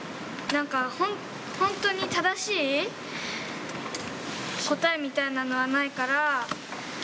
なんか本当に正しい答えみたいなのはないから。